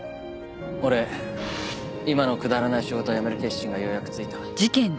俺今のくだらない仕事を辞める決心がようやくついた。